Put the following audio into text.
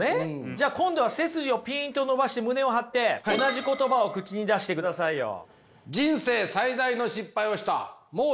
じゃあ今度は背筋をピンと伸ばして胸を張って同じ言葉を口に出してくださいよ。